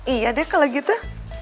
iya deh kalo gitu